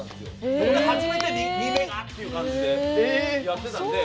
それで初めて２メガという感じでやってたんで。